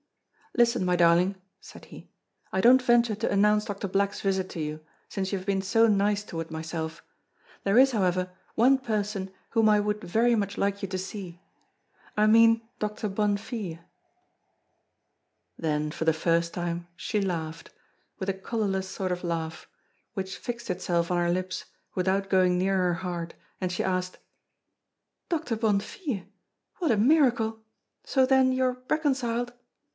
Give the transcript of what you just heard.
"Listen, my darling," said he; "I don't venture to announce Doctor Black's visit to you, since you have been so nice toward myself. There is, however, one person whom I would very much like you to see I mean Doctor Bonnefille." Then, for the first time, she laughed, with a colorless sort of laugh, which fixed itself on her lips, without going near her heart; and she asked: "Doctor Bonnefille! what a miracle! So then you are reconciled?"